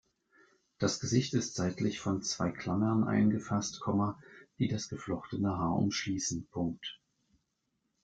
Das Gesicht ist seitlich von zwei Klammern eingefasst, die das geflochtene Haar umschließen.